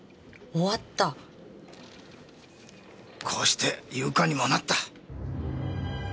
こうして夕刊にもなった。